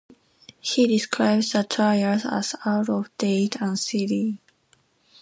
He described the trials as "out of date" and "silly".